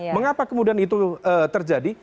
mengapa kemudian itu terjadi